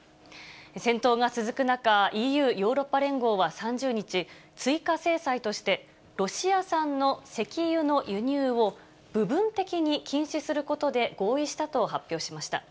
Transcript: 戦闘が続く中、ＥＵ・ヨーロッパ連合は３０日、追加制裁として、ロシア産の石油の輸入を、部分的に禁止することで合意したと発表しました。